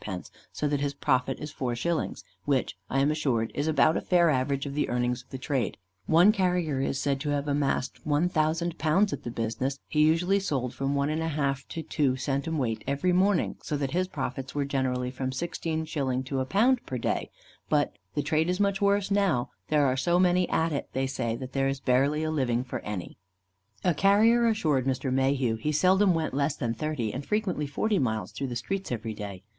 _, so that his profit is 4_s._, which, I am assured, is about a fair average of the earnings of the trade. One carrier is said to have amassed £1,000 at the business: he usually sold from 1½ to 2 cwt. every morning, so that his profits were generally from 16_s._ to £1 per day. But the trade is much worse now: there are so many at it, they say, that there is barely a living for any." A carrier assured Mr. Mayhew he seldom went less than thirty, and frequently forty miles, through the streets every day.